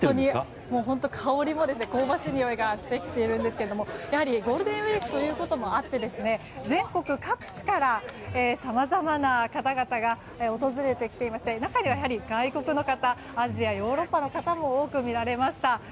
香りも香ばしいにおいがしてきているんですがやはり、ゴールデンウィークということもあって全国各地から、さまざまな方々が訪れてきていまして中には外国の方、アジアやヨーロッパの方も多く見られました。